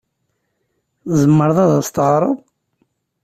Tzemreḍ ad as-teɣreḍ?